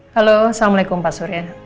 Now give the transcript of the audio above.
halo assalamualaikum pak surya